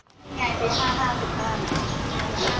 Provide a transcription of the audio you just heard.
สวัสดีครับทุกคน